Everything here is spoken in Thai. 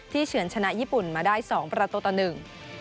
เฉินชนะญี่ปุ่นมาได้สองประตูต่อหนึ่ง